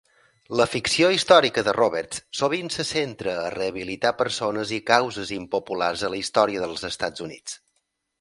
La ficció històrica de Roberts sovint se centra a rehabilitar persones i causes impopulars a la història dels Estats Units.